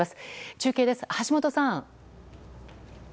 中継です、橋本さん。